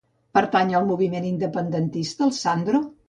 Pertany al moviment independentista el Sandro?